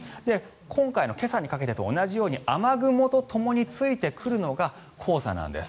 今回の今朝にかけてと同じように雨雲とともについてくるのが黄砂なんです。